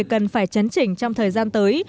cần phải chấn chỉnh trong thời gian tới